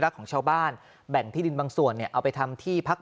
ของชาวบ้านแบ่งที่ดินบางส่วนเนี่ยเอาไปทำที่พัก